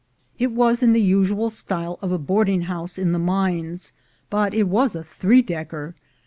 It was in the usual style of a board ing house in the mines, but it was a three decker.